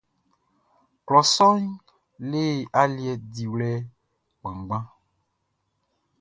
Klɔ sɔʼn le aliɛ diwlɛ kpanngban.